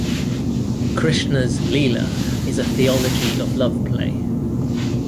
Krishna's "lila" is a theology of love-play.